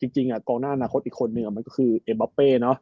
จริงกองหน้าอนาคตอีกคนนึงมันก็คือเอ็บอเป้เนอะ